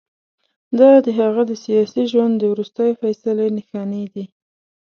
دا د هغه د سیاسي ژوند د وروستۍ فیصلې نښانې دي.